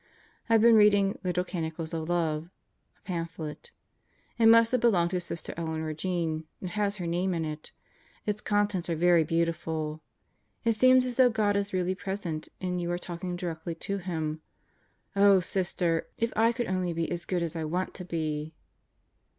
I've been reading Little Canticles of Love (a pamphlet). It must have belonged to Sister Eleanor Jean. It has her name in it. Its contents are very beautiful. It seems as though God is really present and you are talking directly to Him. Oh, Sister, if I could only be as good as I want to be.